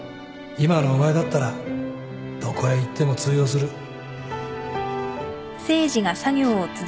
今のお前だったらどこへ行っても通用する